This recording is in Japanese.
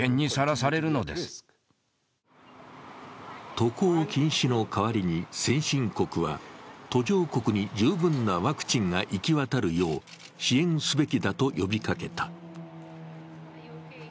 渡航禁止の代わりに先進国は、途上国に十分なワクチンが行き渡るよう支援すべきだと呼びかけた。